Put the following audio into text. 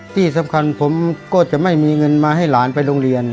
ที่สำคัญผมก็จะไม่มีเงินมาให้หลานไปโรงเรียน